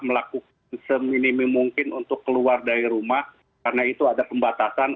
melakukan seminimum mungkin untuk keluar dari rumah karena itu ada pembatasan